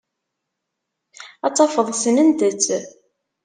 Ad tafeḍ ssnent-tt.